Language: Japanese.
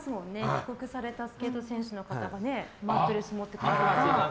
帰国されたスケート選手の方がマットレス持ってるの。